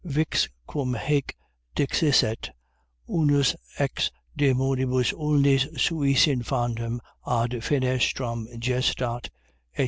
_ Vix cum haec dixisset, unus ex Dæmonibus ulnis suis infantem ad fenestram gestat, etc.